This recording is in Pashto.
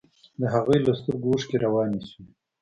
د هغوى له سترگو اوښکې روانې سوې.